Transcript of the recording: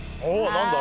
何だ？